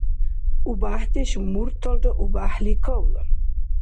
УбяхӀдеш мурталра убяхӀли кавлан.